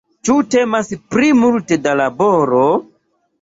Ĉu temas pri multe da laboro?